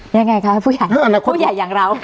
ยังไงครับผู้ใหญ่อย่างเรา